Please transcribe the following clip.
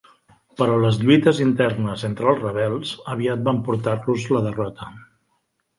Però les lluites internes entre els rebels aviat van portar-los la derrota.